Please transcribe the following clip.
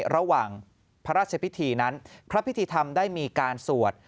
ระหว่างพระราชพิธีนั้นพระพิธีธรรมได้มีการสวด